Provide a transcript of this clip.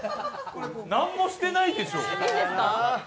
何もしてないでしょ。